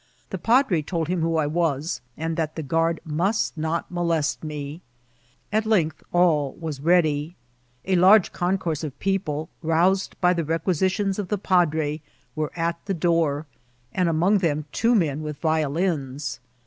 The padre told him who I was, and that the guard most not molest me. At length all wae ready ; a large concourse of people, roused by the requisitions of the padre, were at the door, md among them two men with violins.